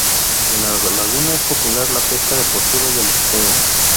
En la laguna es popular la pesca deportiva y el buceo.